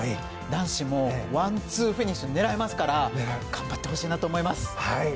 男子もワンツーフィニッシュが狙えますから頑張ってほしいと思います。